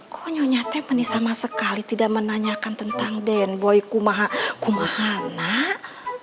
kok nyonyate menisama sekali tidak menanyakan tentang den boy kumahanak